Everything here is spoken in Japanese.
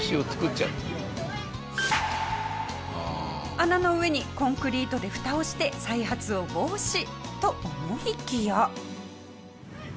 穴の上にコンクリートでフタをして再発を防止と思いきや。